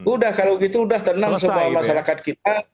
udah kalau gitu udah tenang semua masyarakat kita